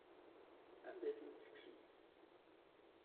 Anda ay tent-tekksemt?